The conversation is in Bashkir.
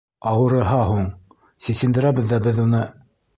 — Ауырыһа һуң, сисендерәбеҙ ҙә беҙ уны...